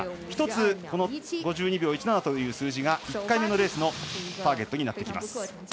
１つ、５２秒１７という数字が１回目の数字のターゲットになってきます。